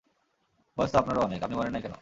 বয়স তো আপনারও অনেক, আপনি মরেন নাই কেনো?